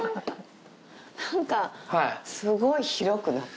なんかすごい広くなった。